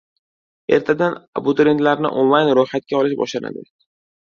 Ertadan abiturientlarni onlayn ro‘yxatga olish boshlanadi